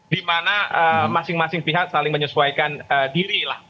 dimana masing masing pihak saling menyesuaikan diri lah